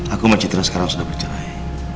aku sama citra sekarang sudah bercerai